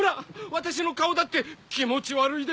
私の顔だって気持ち悪いですよ。